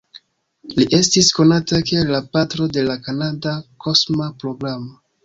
Li estis konata kiel la "Patro de la Kanada Kosma Programo".